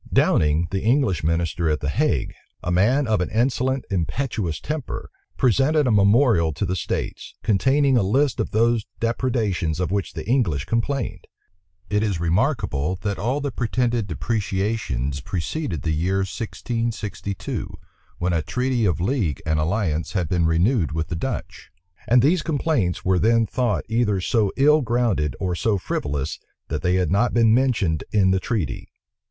Downing, the English minister at the Hague, a man of an insolent, impetuous temper, presented a memorial to the states, containing a list of those depredations of which the English complained. It is remarkable, that all the pretended depreciations preceded the year 1662, when a treaty of league and alliance had been renewed with the Dutch; and these complaints were then thought either so ill grounded or so frivolous, that they had not been mentioned in the treaty.